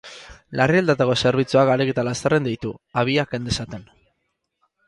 Larrialdietako zerbitzuak ahalik eta lasterren deitu, habia ken dezaten.